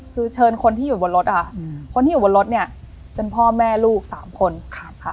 คือเชิญคนที่อยู่บนรถค่ะคนที่อยู่บนรถเนี่ยเป็นพ่อแม่ลูกสามคนค่ะ